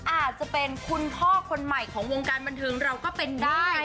อาจจะเป็นคุณพ่อคนใหม่ของวงการบันเทิงเราก็เป็นได้